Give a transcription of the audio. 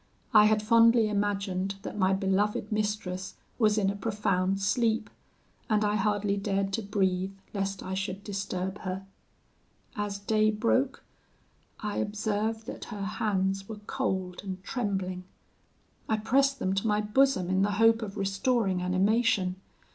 I had fondly imagined that my beloved mistress was in a profound sleep, and I hardly dared to breathe lest I should disturb her. As day broke, I observed that her hands were cold and trembling; I pressed them to my bosom in the hope of restoring animation.